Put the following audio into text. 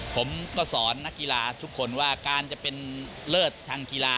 ผมก็สอนนักกีฬาทุกคนว่าการจะเป็นเลิศทางกีฬา